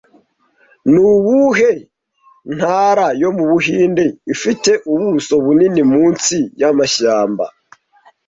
Ni ubuhe ntara yo mu Buhinde ifite ubuso bunini munsi y’amashyamba